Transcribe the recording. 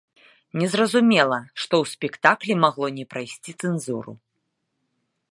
Незразумела, што ў спектаклі магло не прайсці цэнзуру.